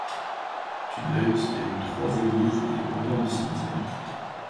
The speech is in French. Tudeils a eu trois églises et autant de cimetières.